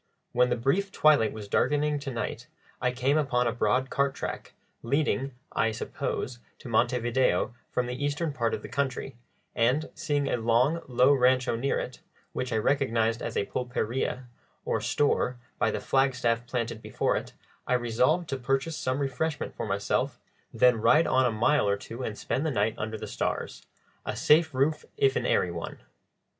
When the brief twilight was darkening to night I came upon a broad cart track, leading, I suppose, to Montevideo from the eastern part of the country, and, seeing a long, low rancho near it, which I recognized as a pulperia, or store, by the flagstaff planted before it, I resolved to purchase some refreshment for myself, then to ride on a mile or two and spend the night under the stars a safe roof if an airy one.